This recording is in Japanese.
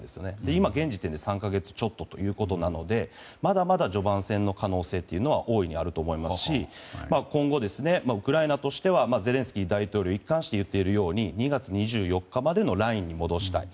今、現時点で３か月ちょっとなのでまだまだ序盤戦の可能性は大いにあると思いますし今後、ウクライナとしてはゼレンスキー大統領が一貫していっているように２月２４日までのラインに戻したい。